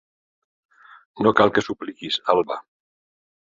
No cal que supliquis, Alba.